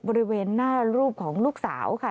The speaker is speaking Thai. บริเวณหน้ารูปของลูกสาวค่ะ